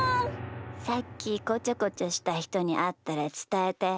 さっきこちょこちょしたひとにあったらつたえて。